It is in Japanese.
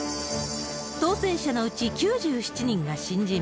当選者のうち９７人が新人。